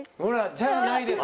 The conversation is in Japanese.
「じゃあないです」。